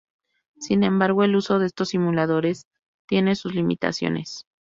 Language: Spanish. Sin embargo, el uso de estos simuladores tiene sus limitaciones.